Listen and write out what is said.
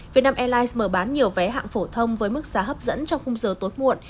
vietnam airlines mở bán nhiều vé hạng phổ thông với mức giá hấp dẫn trong khung giờ tối muộn